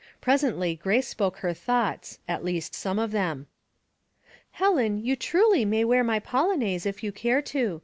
Presently Grace spoke her thoughts, at least some of them. '^ Helen, you truly may wear my polonaise if you cat a to.